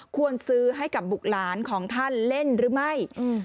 ควรซื้อให้กับบุคลานของท่านเล่นหรือไม่